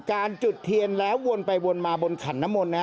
จุดเทียนแล้ววนไปวนมาบนขันน้ำมนต์นะ